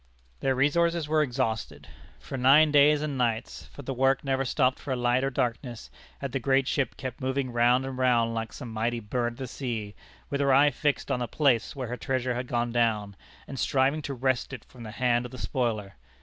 Their resources were exhausted. For nine days and nights, for the work never stopped for light or darkness, had the great ship kept moving round and round like some mighty bird of the sea, with her eye fixed on the place where her treasure had gone down, and striving to wrest it from the hand of the spoiler.